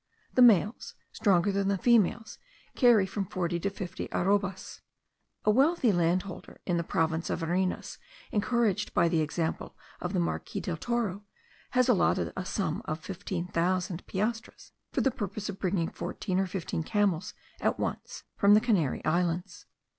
The males, stronger than the females, carry from forty to fifty arrobas. A wealthy landholder in the province of Varinas, encouraged by the example of the Marquis del Toro, has allotted a sum of 15,000 piastres for the purpose of bringing fourteen or fifteen camels at once from the Canary Islands.